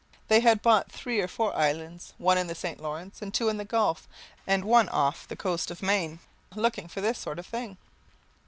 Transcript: They had bought three or four islands one in the St. Lawrence, and two in the Gulf, and one off the coast of Maine looking for this sort of thing.